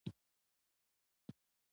صداقت د اړیکو بنسټ دی.